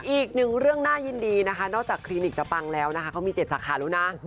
อีกหนึ่งเรื่องน่ายินดีนะคะนอกจากคลินิกจะปังแล้วนะคะเขามี๗สาขาแล้วนะ